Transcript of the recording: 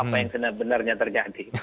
apa yang sebenarnya terjadi